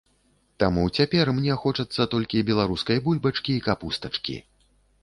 Таму цяпер мне хочацца толькі беларускай бульбачкі і капустачкі.